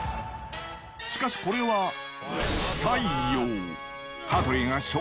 しかし、これは不採用。